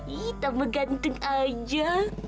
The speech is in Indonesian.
kita beganteng aja